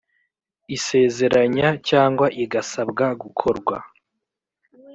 isezeranya cyangwa igisabwa gukorwa .